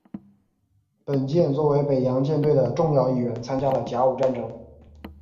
本舰作为北洋舰队的重要一员参加了甲午战争。